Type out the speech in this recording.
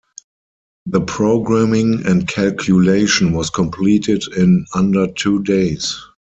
The programming and calculation was completed in under two days.